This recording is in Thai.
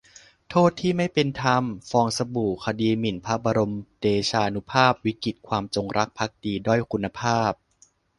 'โทษที่ไม่เป็นธรรม' : ฟองสบู่คดีหมิ่นพระบรมเดชานุภาพ วิกฤตความจงรักภักดีด้อยคุณภาพ